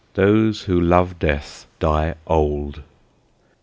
Those who love death die old.